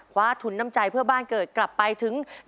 คว้าทุนน้ำใจเพื่อบ้านเกิดกลับไปถึง